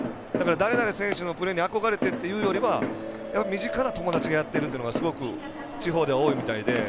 だれだれ選手のプレーに憧れてっていうよりは身近な友達がやっているというのがすごく地方では多いみたいで。